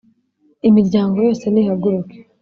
Imiryango yose nihaguruke